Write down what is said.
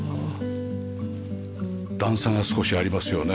段差が少しありますよね。